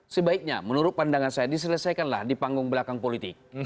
sebaiknya menurut pandangan saya diselesaikanlah di panggung belakang politik